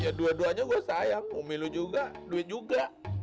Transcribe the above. ya dua duanya gua sayang umi lu juga duit juga